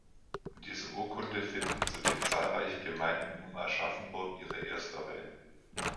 In dieser Urkunde finden zudem zahlreiche Gemeinden um Aschaffenburg ihre Ersterwähnung.